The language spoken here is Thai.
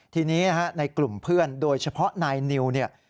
ทีนี้ในกลุ่มเพื่อนโดยเฉพาะนายนิวเนี่ย